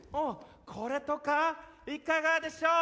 これとかいかがでしょう？